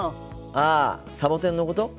ああサボテンのこと？